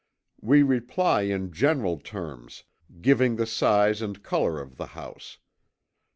We reply in general terms, giving the size and color of the house.